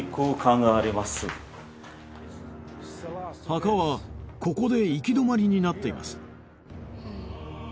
墓はここで行き止まりになっています。